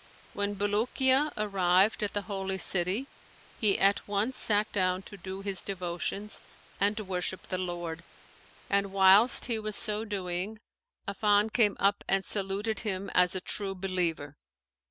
When Bulukiya arrived at the Holy City, he at once sat down to do his devotions and worship the Lord; and, whilst he was so doing, Affan came up and saluted him as a True Believer.